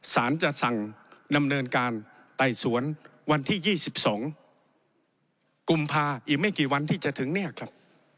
สารจะสั่งดำเนินการไต่สวนวันที่๒๒กุมภาอีกไม่กี่วันที่จะถึงเนี่ยครับ